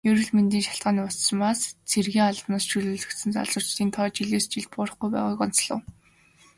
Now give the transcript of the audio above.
Эрүүл мэндийн шалтгааны улмаас цэргийн албанаас чөлөөлөгдөх залуучуудын тоо жилээс жилд буурахгүй байгааг онцлов.